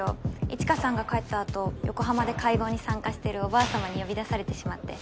一華さんが帰ったあと横浜で会合に参加してるおばあさまに呼び出されてしまって。